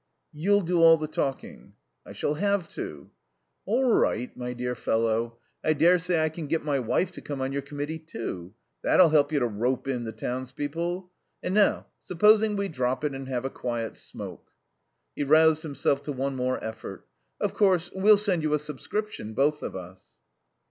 "You'll do all the talking?" "I shall have to." "All right, my dear fellow. I daresay I can get my wife to come on your committee, too. That'll help you to rope in the townspeople.... And now, supposing we drop it and have a quiet smoke." He roused himself to one more effort. "Of course, we'll send you a subscription, both of us."